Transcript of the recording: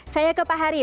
saya ke pak heri